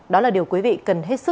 đó là điều quý vị cần hết sức lưu ý